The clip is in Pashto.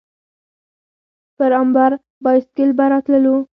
پر امبر بایسکل به راتللو.